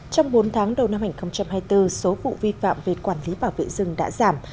trong bốn tháng đầu năm hai nghìn hai mươi bốn số vụ vi phạm về quản lý bảo vệ rừng đã giảm